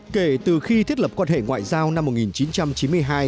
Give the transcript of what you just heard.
kể từ khi thiết lập quan hệ ngoại giao năm một nghìn chín trăm chín mươi hai